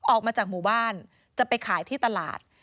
ออกมาจากหมู่บ้านจะไปขายที่ตลาด